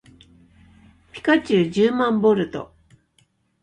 ピカチュウじゅうまんボルト